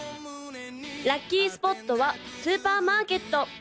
・ラッキースポットはスーパーマーケット